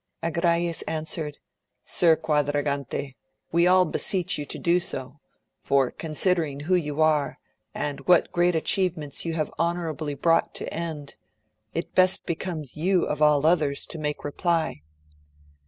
Agrayes answered, Sir Quadragante, we all beseech you so to do ; for considering who you are, and what great atchievem^its you have honourably brought to end, it best becomes you of all others to make reply.